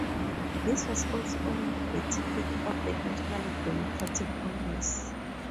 This was also on the ticket of the National Democratic Congress.